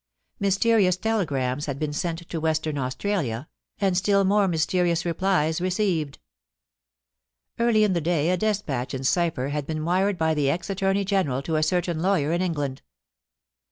Mysterious telegrams had been sent to Western Australia, and still more mysterious replies received E^ly in the day a despatch in cipher had been wired by the ex Attorney General to a certain lawyer in England.